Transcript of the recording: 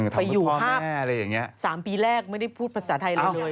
ไปอยู่ภาพ๓ปีแรกไม่ได้พูดภาษาไทยเราเลย